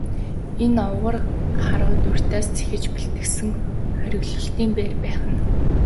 Энэ овгор харууд урьдаас зэхэж бэлтгэсэн хориглолтын байр байх нь.